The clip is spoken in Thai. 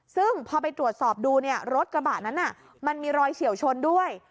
ซึ่งพอไปตรวจสอบดูเนี่ยรถกระบะนั้นมันมีรอยเฉียวชนด้วย